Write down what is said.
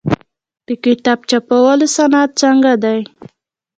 د کتاب چاپولو صنعت څنګه دی؟